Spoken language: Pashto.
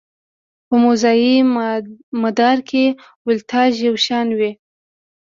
په موازي مدار کې ولتاژ یو شان وي.